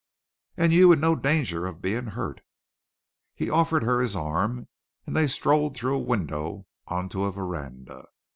"And you in no danger of being hurt." He offered her his arm, and they strolled through a window onto a veranda.